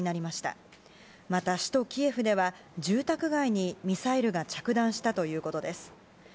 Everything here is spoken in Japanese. また、首都キエフでは住宅街にミサイルが着弾したということです。